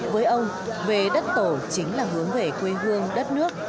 với ông về đất tổ chính là hướng về quê hương đất nước